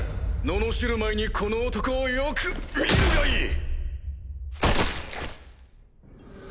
ののしる前にこの男をよく見るがいい！